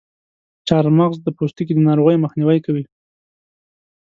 چارمغز د پوستکي د ناروغیو مخنیوی کوي.